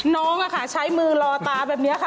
น้องใช้มือรอตาแบบนี้ค่ะ